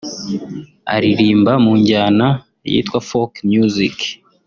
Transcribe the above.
Aririmba mu njyana yitwa ‘folk music’